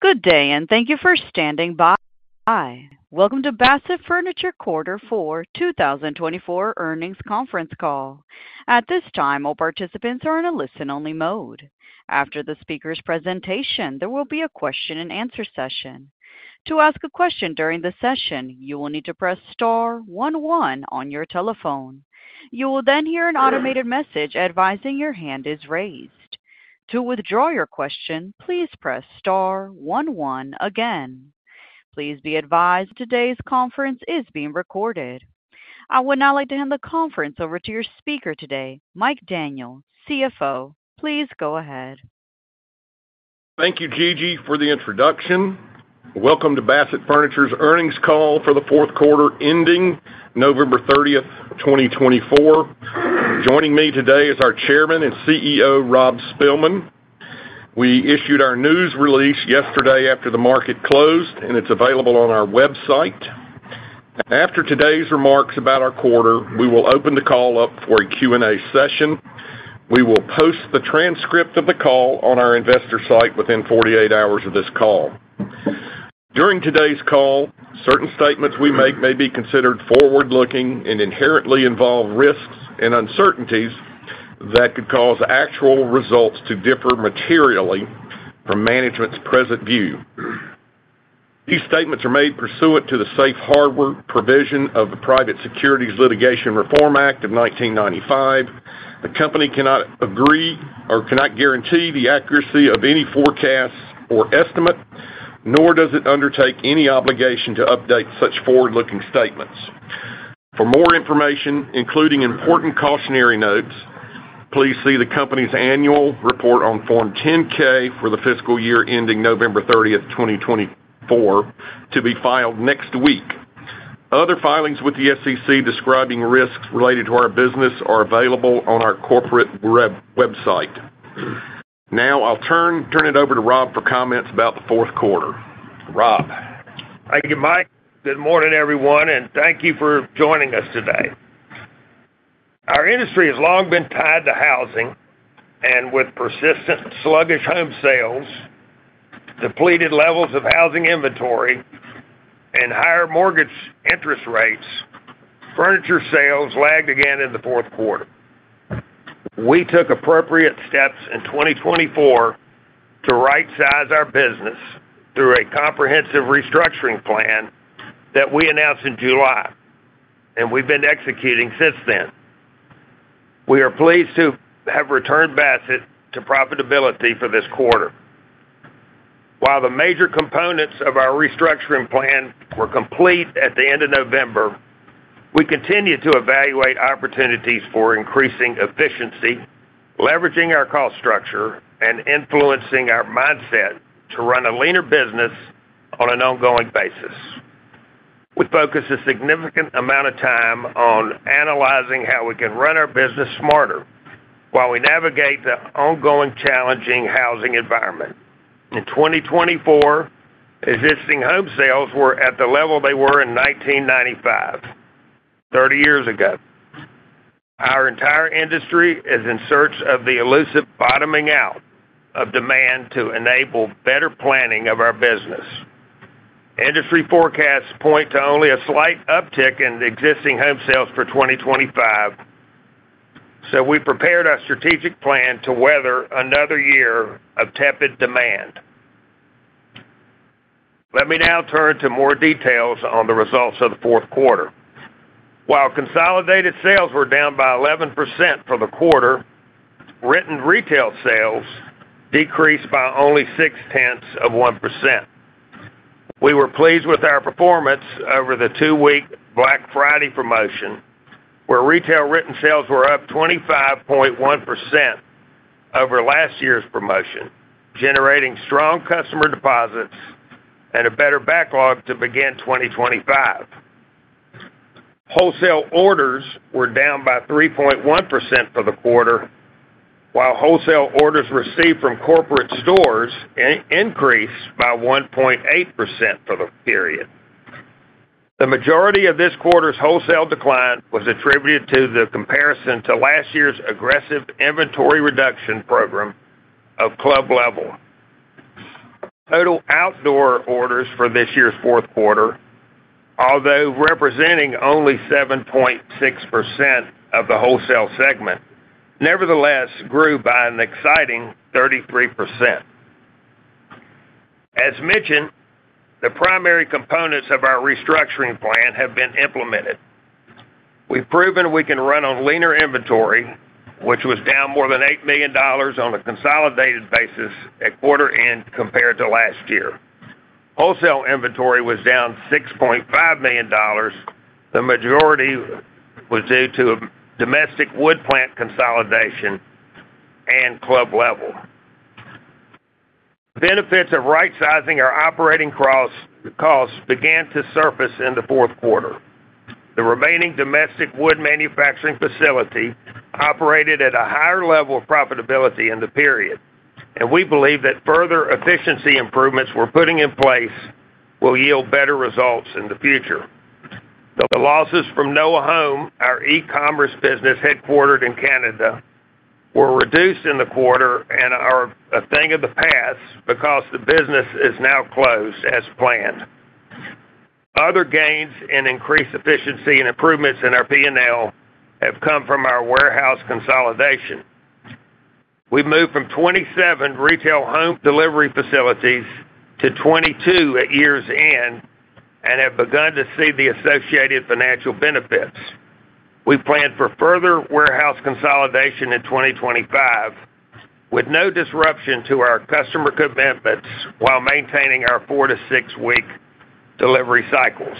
Good day, and thank you for standing by. Welcome to Bassett Furniture Quarter Four, 2024 earnings conference call. At this time, all participants are in a listen-only mode. After the speaker's presentation, there will be a question-and-answer session. To ask a question during the session, you will need to press star one-one on your telephone. You will then hear an automated message advising your hand is raised. To withdraw your question, please press star one-one again. Please be advised today's conference is being recorded. I would now like to hand the conference over to your speaker today, Mike Daniel, CFO. Please go ahead. Thank you, Gigi, for the introduction. Welcome to Bassett Furniture's earnings call for the fourth quarter ending November 30th, 2024. Joining me today is our Chairman and CEO, Rob Spilman. We issued our news release yesterday after the market closed, and it's available on our website. After today's remarks about our quarter, we will open the call up for a Q&A session. We will post the transcript of the call on our investor site within 48 hours of this call. During today's call, certain statements we make may be considered forward-looking and inherently involve risks and uncertainties that could cause actual results to differ materially from management's present view. These statements are made pursuant to the safe harbor provision of the Private Securities Litigation Reform Act of 1995. The company cannot agree or cannot guarantee the accuracy of any forecasts or estimate, nor does it undertake any obligation to update such forward-looking statements. For more information, including important cautionary notes, please see the company's annual report on Form 10-K for the fiscal year ending November 30th, 2024, to be filed next week. Other filings with the SEC describing risks related to our business are available on our corporate website. Now, I'll turn it over to Rob for comments about the fourth quarter. Rob. Thank you, Mike. Good morning, everyone, and thank you for joining us today. Our industry has long been tied to housing, and with persistent sluggish home sales, depleted levels of housing inventory, and higher mortgage interest rates, furniture sales lagged again in the fourth quarter. We took appropriate steps in 2024 to right-size our business through a comprehensive restructuring plan that we announced in July, and we've been executing since then. We are pleased to have returned Bassett to profitability for this quarter. While the major components of our restructuring plan were complete at the end of November, we continue to evaluate opportunities for increasing efficiency, leveraging our cost structure, and influencing our mindset to run a leaner business on an ongoing basis. We focus a significant amount of time on analyzing how we can run our business smarter while we navigate the ongoing challenging housing environment. In 2024, existing home sales were at the level they were in 1995, 30 years ago. Our entire industry is in search of the elusive bottoming out of demand to enable better planning of our business. Industry forecasts point to only a slight uptick in existing home sales for 2025, so we prepared our strategic plan to weather another year of tepid demand. Let me now turn to more details on the results of the fourth quarter. While consolidated sales were down by 11% for the quarter, written retail sales decreased by only 0.6%. We were pleased with our performance over the two-week Black Friday promotion, where retail written sales were up 25.1% over last year's promotion, generating strong customer deposits and a better backlog to begin 2025. Wholesale orders were down by 3.1% for the quarter, while wholesale orders received from corporate stores increased by 1.8% for the period. The majority of this quarter's wholesale decline was attributed to the comparison to last year's aggressive inventory reduction program of Club Level. Total outdoor orders for this year's fourth quarter, although representing only 7.6% of the wholesale segment, nevertheless grew by an exciting 33%. As mentioned, the primary components of our restructuring plan have been implemented. We've proven we can run on leaner inventory, which was down more than $8 million on a consolidated basis at quarter-end compared to last year. Wholesale inventory was down $6.5 million. The majority was due to domestic wood plant consolidation and Club Level. Benefits of right-sizing our operating costs began to surface in the fourth quarter. The remaining domestic wood manufacturing facility operated at a higher level of profitability in the period, and we believe that further efficiency improvements we're putting in place will yield better results in the future. The losses from Noa Home, our e-commerce business headquartered in Canada, were reduced in the quarter and are a thing of the past because the business is now closed as planned. Other gains in increased efficiency and improvements in our P&L have come from our warehouse consolidation. We moved from 27 retail home delivery facilities to 22 at year's end and have begun to see the associated financial benefits. We plan for further warehouse consolidation in 2025 with no disruption to our customer commitments while maintaining our four- to six-week delivery cycles.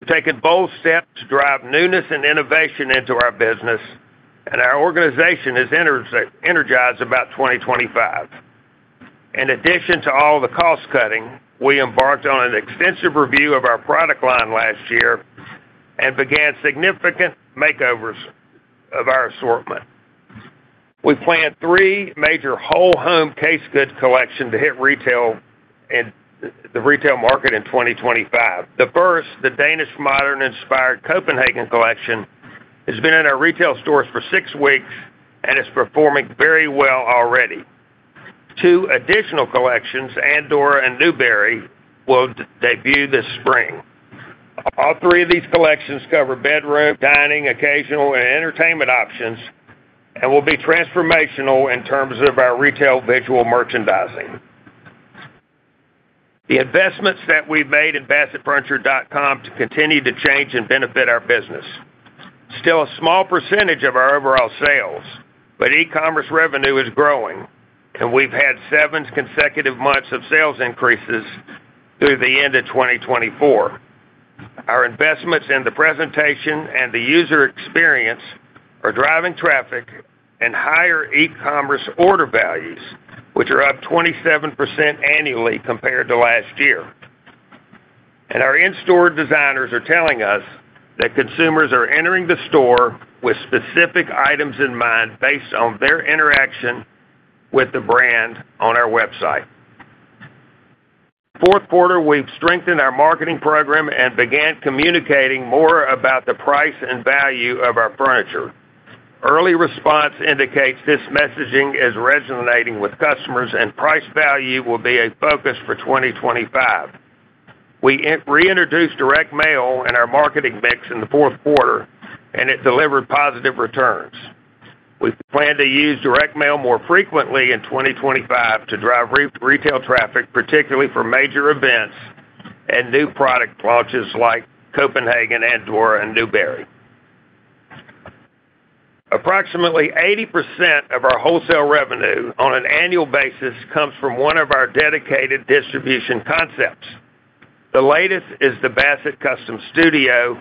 We've taken bold steps to drive newness and innovation into our business, and our organization is energized about 2025. In addition to all the cost-cutting, we embarked on an extensive review of our product line last year and began significant makeovers of our assortment. We planned three major whole home case goods collections to hit the retail market in 2025. The first, the Danish modern-inspired Copenhagen collection, has been in our retail stores for six weeks and is performing very well already. Two additional collections, Andorra and Newbury, will debut this spring. All three of these collections cover bedroom, dining, occasional, and entertainment options and will be transformational in terms of our retail visual merchandising. The investments that we've made at BassettFurniture.com continue to change and benefit our business. Still a small percentage of our overall sales, but e-commerce revenue is growing, and we've had seven consecutive months of sales increases through the end of 2024. Our investments in the presentation and the user experience are driving traffic and higher e-commerce order values, which are up 27% annually compared to last year. Our in-store designers are telling us that consumers are entering the store with specific items in mind based on their interaction with the brand on our website. Fourth quarter, we've strengthened our marketing program and began communicating more about the price and value of our furniture. Early response indicates this messaging is resonating with customers, and price value will be a focus for 2025. We reintroduced direct mail in our marketing mix in the fourth quarter, and it delivered positive returns. We plan to use direct mail more frequently in 2025 to drive retail traffic, particularly for major events and new product launches like Copenhagen, Andorra, and Newbury. Approximately 80% of our wholesale revenue on an annual basis comes from one of our dedicated distribution concepts. The latest is the Bassett Custom Studio,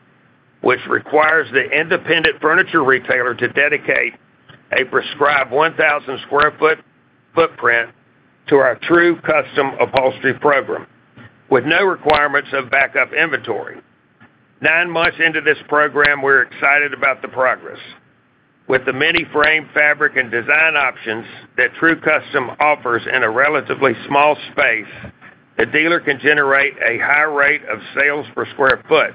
which requires the independent furniture retailer to dedicate a prescribed 1,000-sq-ft footprint to our true custom upholstery program, with no requirements of backup inventory. Nine months into this program, we're excited about the progress. With the many frame, fabric, and design options that true custom offers in a relatively small space, the dealer can generate a high rate of sales per square foot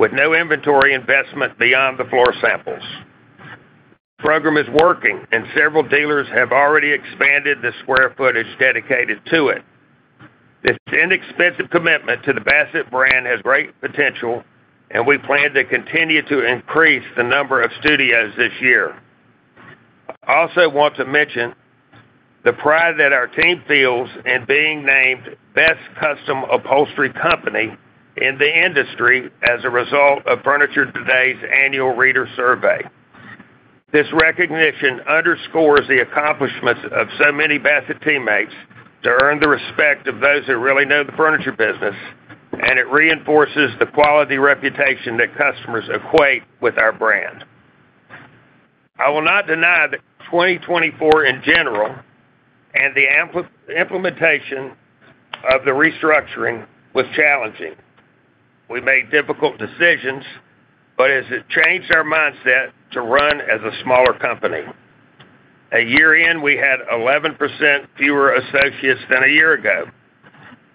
with no inventory investment beyond the floor samples. The program is working, and several dealers have already expanded the square footage dedicated to it. This inexpensive commitment to the Bassett brand has great potential, and we plan to continue to increase the number of studios this year. I also want to mention the pride that our team feels in being named Best Custom Upholstery Company in the industry as a result of Furniture Today's annual reader survey. This recognition underscores the accomplishments of so many Bassett teammates to earn the respect of those who really know the furniture business, and it reinforces the quality reputation that customers equate with our brand. I will not deny that 2024, in general, and the implementation of the restructuring was challenging. We made difficult decisions, but it changed our mindset to run as a smaller company. A year in, we had 11% fewer associates than a year ago.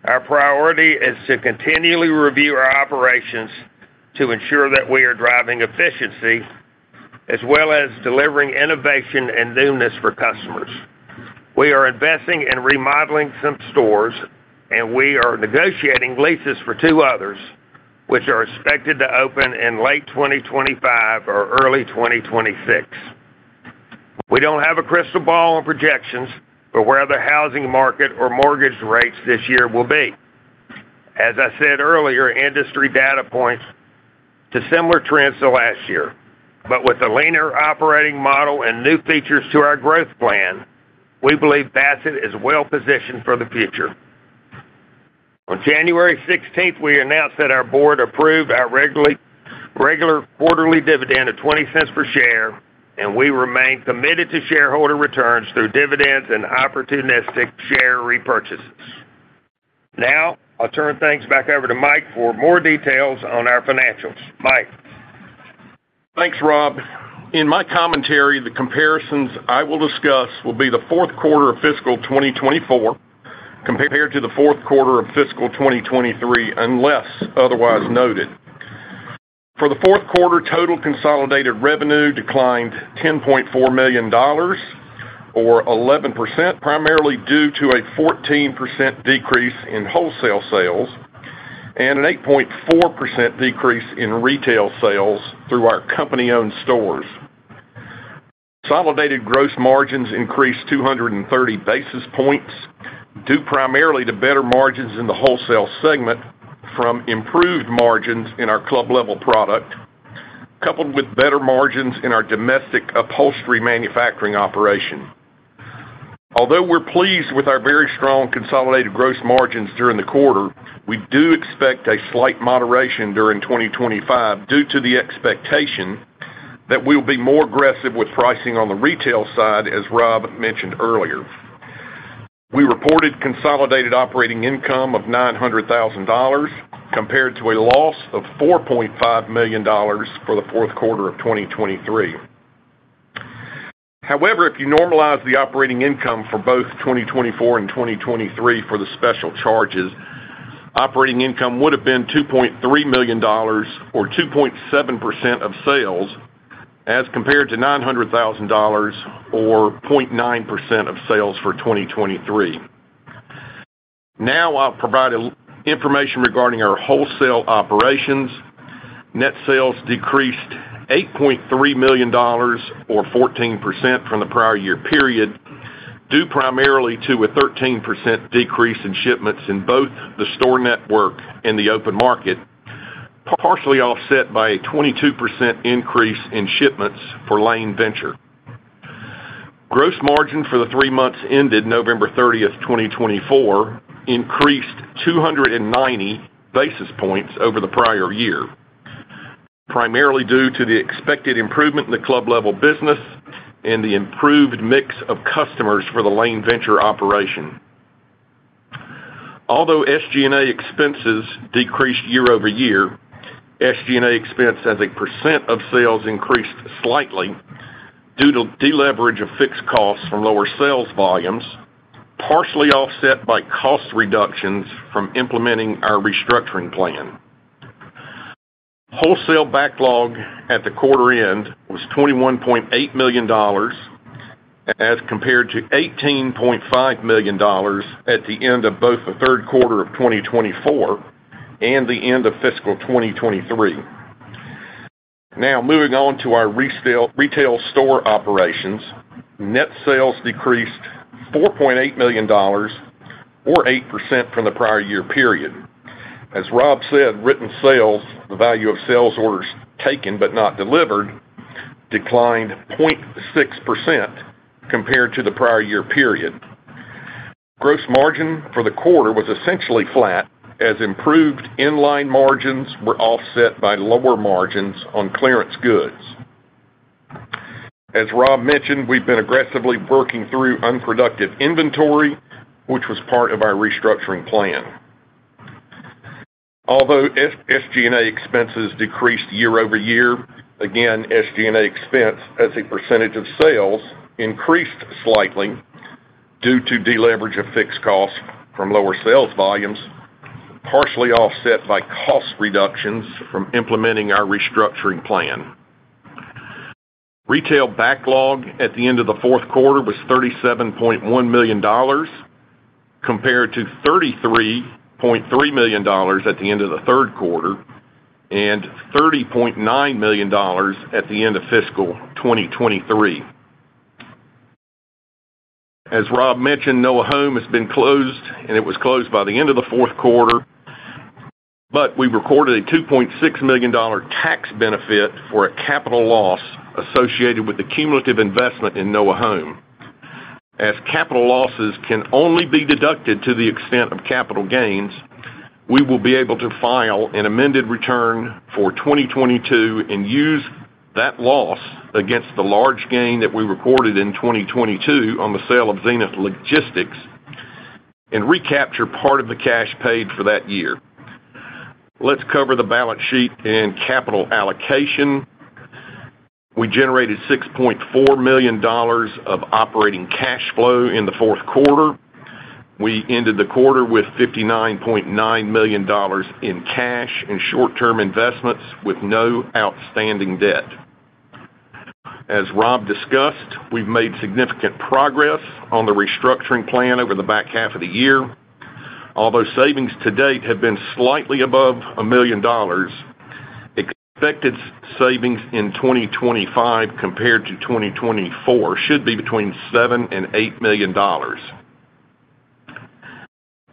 Our priority is to continually review our operations to ensure that we are driving efficiency as well as delivering innovation and newness for customers. We are investing in remodeling some stores, and we are negotiating leases for two others, which are expected to open in late 2025 or early 2026. We don't have a crystal ball on projections, but where the housing market or mortgage rates this year will be. As I said earlier, industry data points to similar trends to last year. But with a leaner operating model and new features to our growth plan, we believe Bassett is well-positioned for the future. On January 16th, we announced that our board approved our regular quarterly dividend of $0.20 per share, and we remain committed to shareholder returns through dividends and opportunistic share repurchases. Now, I'll turn things back over to Mike for more details on our financials. Mike. Thanks, Rob. In my commentary, the comparisons I will discuss will be the fourth quarter of fiscal 2024 compared to the fourth quarter of fiscal 2023 unless otherwise noted. For the fourth quarter, total consolidated revenue declined $10.4 million or 11%, primarily due to a 14% decrease in wholesale sales and an 8.4% decrease in retail sales through our company-owned stores. Consolidated gross margins increased 230 basis points due primarily to better margins in the wholesale segment from improved margins in our Club Level product, coupled with better margins in our domestic upholstery manufacturing operation. Although we're pleased with our very strong consolidated gross margins during the quarter, we do expect a slight moderation during 2025 due to the expectation that we'll be more aggressive with pricing on the retail side, as Rob mentioned earlier. We reported consolidated operating income of $900,000 compared to a loss of $4.5 million for the fourth quarter of 2023. However, if you normalize the operating income for both 2024 and 2023 for the special charges, operating income would have been $2.3 million or 2.7% of sales as compared to $900,000 or 0.9% of sales for 2023. Now, I'll provide information regarding our wholesale operations. Net sales decreased $8.3 million or 14% from the prior year period due primarily to a 13% decrease in shipments in both the store network and the open market, partially offset by a 22% increase in shipments for Lane Venture. Gross margin for the three months ended November 30th, 2024, increased 290 basis points over the prior year, primarily due to the expected improvement in the Club Level business and the improved mix of customers for the Lane Venture operation. Although SG&A expenses decreased year over year, SG&A expense as a % of sales increased slightly due to deleverage of fixed costs from lower sales volumes, partially offset by cost reductions from implementing our restructuring plan. Wholesale backlog at the quarter end was $21.8 million as compared to $18.5 million at the end of both the third quarter of 2024 and the end of fiscal 2023. Now, moving on to our retail store operations, net sales decreased $4.8 million or 8% from the prior year period. As Rob said, written sales, the value of sales orders taken but not delivered, declined 0.6% compared to the prior year period. Gross margin for the quarter was essentially flat as improved inline margins were offset by lower margins on clearance goods. As Rob mentioned, we've been aggressively working through unproductive inventory, which was part of our restructuring plan. Although SG&A expenses decreased year over year, again, SG&A expense as a percentage of sales increased slightly due to deleverage of fixed costs from lower sales volumes, partially offset by cost reductions from implementing our restructuring plan. Retail backlog at the end of the fourth quarter was $37.1 million compared to $33.3 million at the end of the third quarter and $30.9 million at the end of fiscal 2023. As Rob mentioned, Noah Home has been closed, and it was closed by the end of the fourth quarter, but we recorded a $2.6 million tax benefit for a capital loss associated with the cumulative investment in Noah Home. As capital losses can only be deducted to the extent of capital gains, we will be able to file an amended return for 2022 and use that loss against the large gain that we recorded in 2022 on the sale of Zenith Logistics and recapture part of the cash paid for that year. Let's cover the balance sheet and capital allocation. We generated $6.4 million of operating cash flow in the fourth quarter. We ended the quarter with $59.9 million in cash and short-term investments with no outstanding debt. As Rob discussed, we've made significant progress on the restructuring plan over the back half of the year. Although savings to date have been slightly above $1 million, expected savings in 2025 compared to 2024 should be between $7 and $8 million.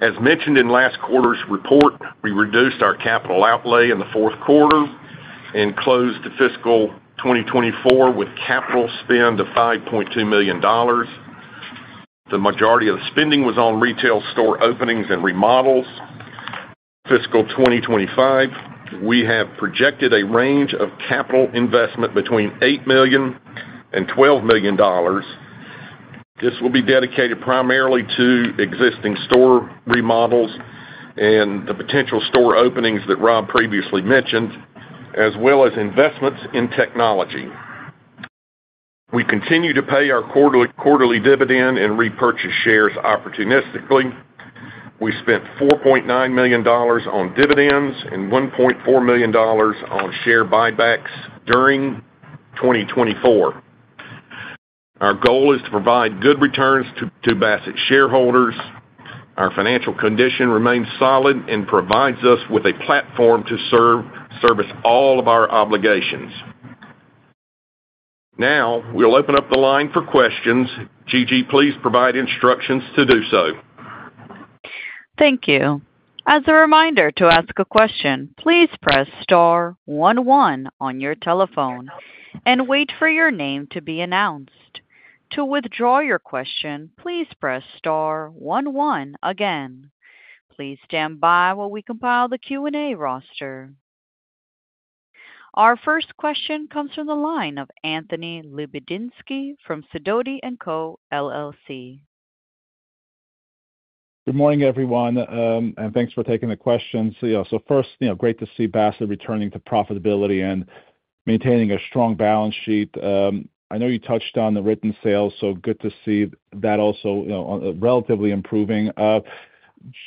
As mentioned in last quarter's report, we reduced our capital outlay in the fourth quarter and closed the fiscal 2024 with capital spend of $5.2 million. The majority of the spending was on retail store openings and remodels. Fiscal 2025, we have projected a range of capital investment between $8 million and $12 million. This will be dedicated primarily to existing store remodels and the potential store openings that Rob previously mentioned, as well as investments in technology. We continue to pay our quarterly dividend and repurchase shares opportunistically. We spent $4.9 million on dividends and $1.4 million on share buybacks during 2024. Our goal is to provide good returns to Bassett shareholders. Our financial condition remains solid and provides us with a platform to service all of our obligations. Now, we'll open up the line for questions. Gigi, please provide instructions to do so. Thank you. As a reminder to ask a question, please press star 11 on your telephone and wait for your name to be announced. To withdraw your question, please press star 11 again. Please stand by while we compile the Q&A roster. Our first question comes from the line of Anthony Lebiedzinski from Sidoti & Company, LLC. Good morning, everyone, and thanks for taking the question. So first, great to see Bassett returning to profitability and maintaining a strong balance sheet. I know you touched on the written sales, so good to see that also relatively improving.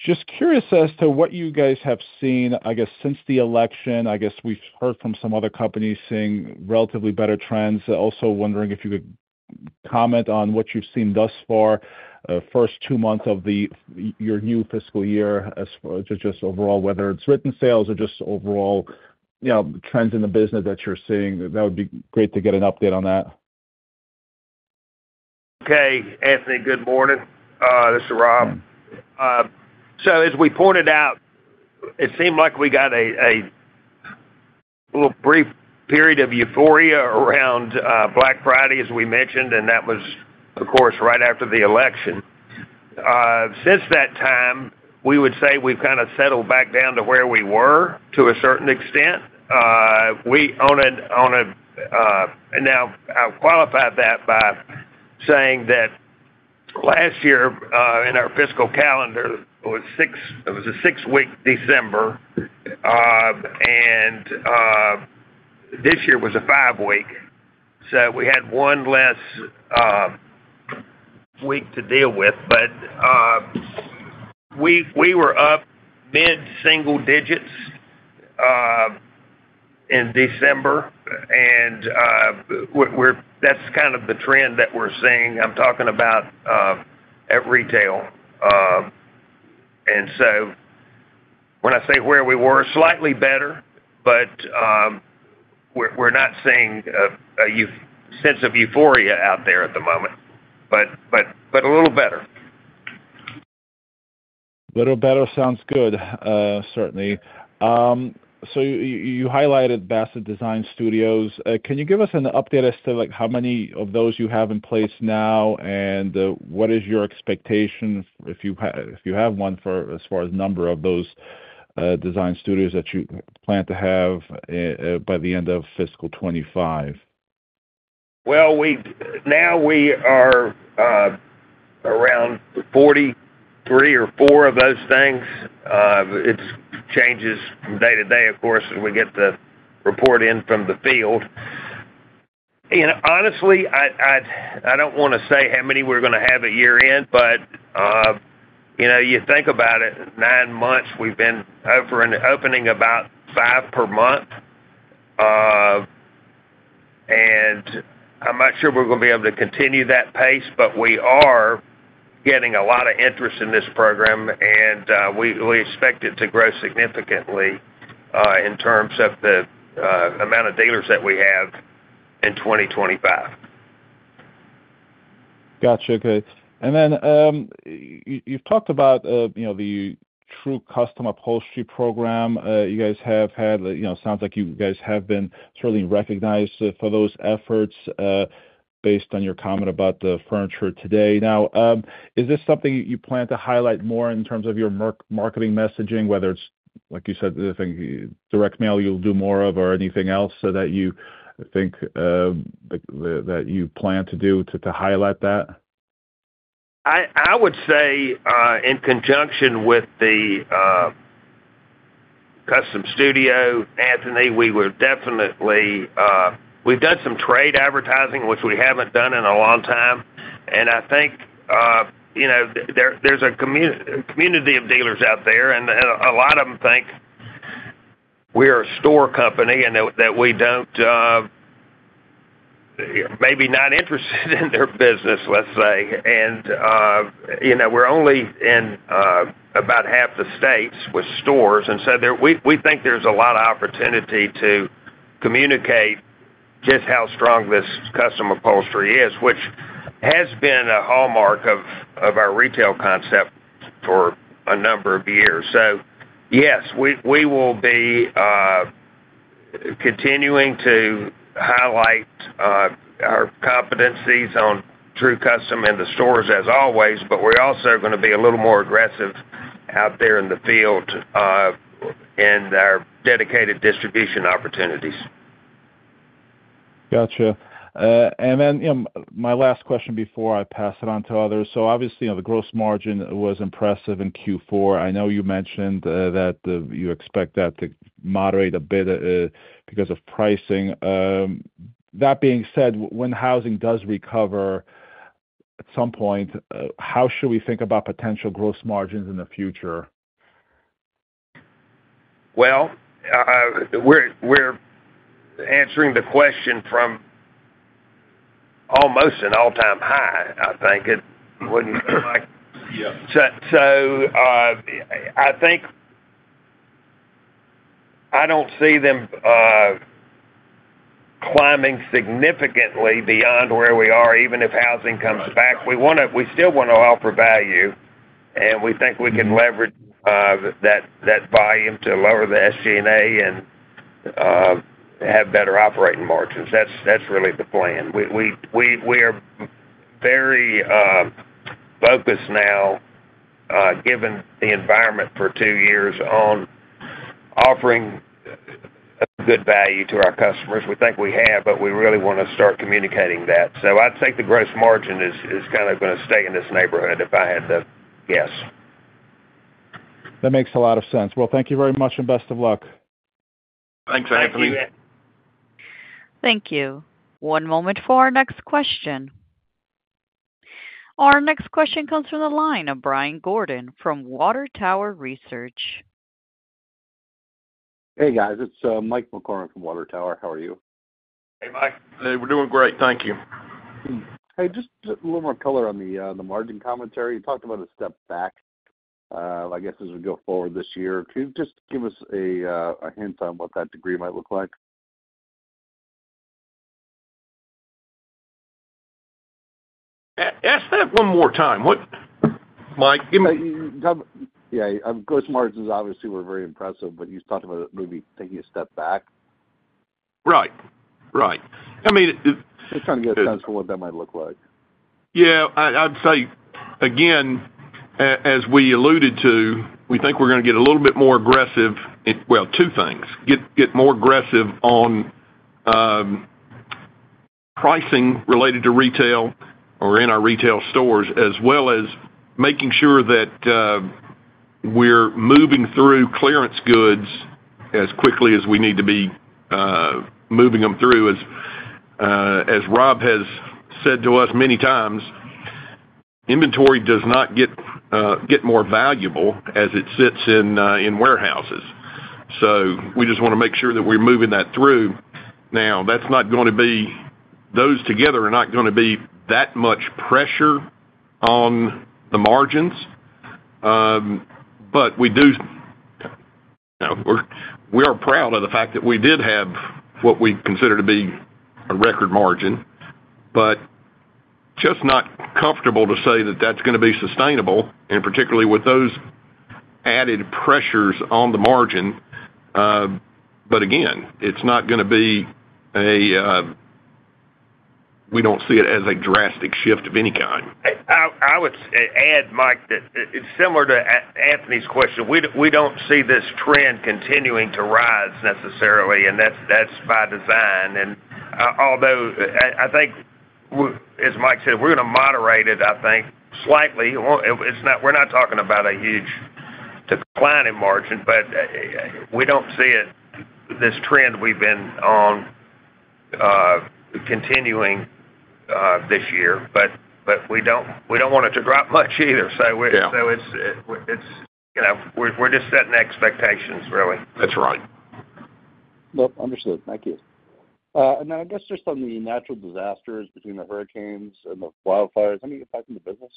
Just curious as to what you guys have seen, I guess, since the election. I guess we've heard from some other companies seeing relatively better trends. Also wondering if you could comment on what you've seen thus far, first two months of your new fiscal year, just overall, whether it's written sales or just overall trends in the business that you're seeing. That would be great to get an update on that. Okay, Anthony, good morning. This is Rob. So as we pointed out, it seemed like we got a little brief period of euphoria around Black Friday, as we mentioned, and that was, of course, right after the election. Since that time, we would say we've kind of settled back down to where we were to a certain extent. We're on it now. I'll qualify that by saying that last year in our fiscal calendar, it was a six-week December, and this year was a five-week. So we had one less week to deal with, but we were up mid-single digits in December, and that's kind of the trend that we're seeing. I'm talking about at retail, and so when I say where we were, slightly better, but we're not seeing a sense of euphoria out there at the moment, but a little better. A little better sounds good, certainly. So you highlighted Bassett Custom Studios. Can you give us an update as to how many of those you have in place now, and what is your expectation if you have one for as far as number of those Custom Studios that you plan to have by the end of fiscal 2025? Now we are around 43 or 4 of those things. It changes day to day, of course, as we get the report in from the field. Honestly, I don't want to say how many we're going to have at year end, but you think about it, nine months, we've been opening about five per month. And I'm not sure we're going to be able to continue that pace, but we are getting a lot of interest in this program, and we expect it to grow significantly in terms of the amount of dealers that we have in 2025. Gotcha. Okay. And then you've talked about the True Custom upholstery program. You guys have had it. Sounds like you guys have been certainly recognized for those efforts based on your comment about the Furniture Today. Now, is this something you plan to highlight more in terms of your marketing messaging, whether it's, like you said, direct mail you'll do more of or anything else that you think that you plan to do to highlight that? I would say in conjunction with the custom studio, Anthony, we've definitely done some trade advertising, which we haven't done in a long time, and I think there's a community of dealers out there, and a lot of them think we are a store company and that we don't, maybe not interested in their business, let's say, and we're only in about half the states with stores, and so we think there's a lot of opportunity to communicate just how strong this custom upholstery is, which has been a hallmark of our retail concept for a number of years, so yes, we will be continuing to highlight our competencies on True Custom in the stores, as always, but we're also going to be a little more aggressive out there in the field in our dedicated distribution opportunities. Gotcha. And then my last question before I pass it on to others. So obviously, the gross margin was impressive in Q4. I know you mentioned that you expect that to moderate a bit because of pricing. That being said, when housing does recover at some point, how should we think about potential gross margins in the future? We're answering the question from almost an all-time high, I think. So I think I don't see them climbing significantly beyond where we are, even if housing comes back. We still want to offer value, and we think we can leverage that volume to lower the SG&A and have better operating margins. That's really the plan. We are very focused now, given the environment for two years, on offering good value to our customers. We think we have, but we really want to start communicating that. So I'd say the gross margin is kind of going to stay in this neighborhood, if I had to guess. That makes a lot of sense. Well, thank you very much and best of luck. Thanks, Anthony. Thank you. One moment for our next question. Our next question comes from the line of Brian Gordon from Water Tower Research. Hey, guys. It's Mike McCormick from Water Tower. How are you? Hey, Mike. We're doing great. Thank you. Hey, just a little more color on the margin commentary. You talked about a step back, I guess, as we go forward this year. Can you just give us a hint on what that degree might look like? Ask that one more time. Mike, give me. Yeah. Gross margins, obviously, were very impressive, but you talked about maybe taking a step back. Right. Right. I mean. Just trying to get a sense for what that might look like. Yeah. I'd say, again, as we alluded to, we think we're going to get a little bit more aggressive, two things. Get more aggressive on pricing related to retail or in our retail stores, as well as making sure that we're moving through clearance goods as quickly as we need to be moving them through. As Rob has said to us many times, inventory does not get more valuable as it sits in warehouses. So we just want to make sure that we're moving that through. Now, that's not going to be. Those together are not going to be that much pressure on the margins, but we are proud of the fact that we did have what we consider to be a record margin, but just not comfortable to say that that's going to be sustainable, and particularly with those added pressures on the margin. But again, we don't see it as a drastic shift of any kind. I would add, Mike, that it's similar to Anthony's question. We don't see this trend continuing to rise necessarily, and that's by design, and although, I think, as Mike said, we're going to moderate it, I think, slightly. We're not talking about a huge decline in margin, but we don't see this trend we've been on continuing this year, but we don't want it to drop much either, so we're just setting expectations, really. That's right. Yep. Understood. Thank you. And then I guess just on the natural disasters between the hurricanes and the wildfires, how much impact on the business?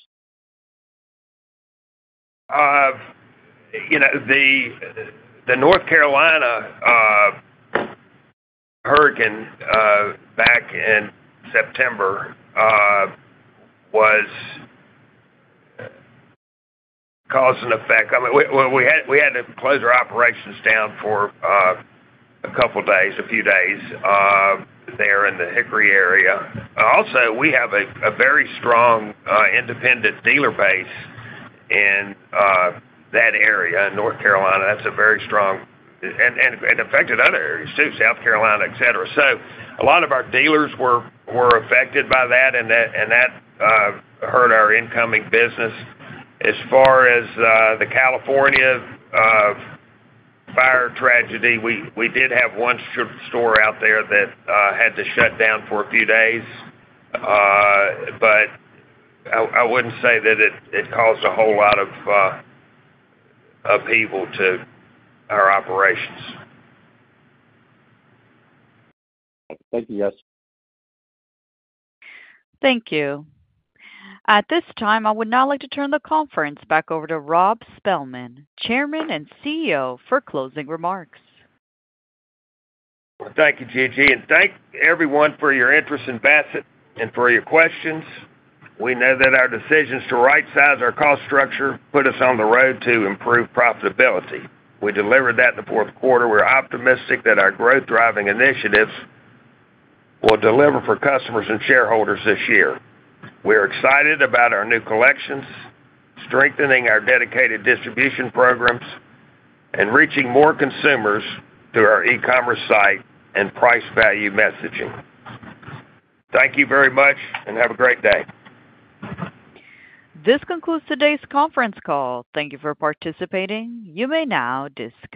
The North Carolina hurricane back in September was causing effect. We had to close our operations down for a couple of days, a few days there in the Hickory area. Also, we have a very strong independent dealer base in that area, North Carolina. That's a very strong and it affected other areas too, South Carolina, etc., so a lot of our dealers were affected by that, and that hurt our incoming business. As far as the California fire tragedy, we did have one store out there that had to shut down for a few days, but I wouldn't say that it caused a whole lot of upheaval to our operations. Thank you. Yes. Thank you. At this time, I would now like to turn the conference back over to Rob Spilman, Chairman and CEO, for closing remarks. Thank you, Gigi, and thank everyone for your interest in Bassett and for your questions. We know that our decisions to right-size our cost structure put us on the road to improve profitability. We delivered that in the fourth quarter. We're optimistic that our growth-driving initiatives will deliver for customers and shareholders this year. We are excited about our new collections, strengthening our dedicated distribution programs, and reaching more consumers through our e-commerce site and price value messaging. Thank you very much, and have a great day. This concludes today's conference call. Thank you for participating. You may now disconnect.